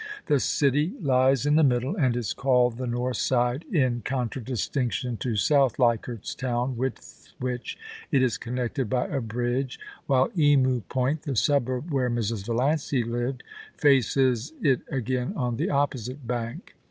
The city lies in the middle, and is called the north side in contradis tinction to South Leichardt's Town, with which it is connected by a bridge, while Emu Point, the suburb where Mrs. Valiancy lived, faces it again on the opposite bank.